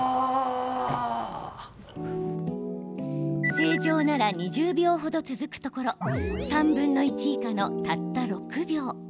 正常なら２０秒程続くところ３分の１以下の、たった６秒。